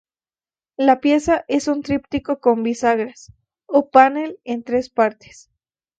La pieza es un tríptico con bisagras, o panel en tres partes.